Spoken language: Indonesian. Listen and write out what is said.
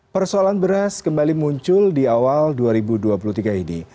persoalan beras kembali muncul di awal dua ribu dua puluh tiga ini